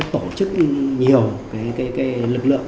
tổ chức nhiều cái lực lượng